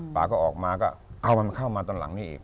ป่าก็ออกมาก็เอามันเข้ามาตอนหลังนี้อีก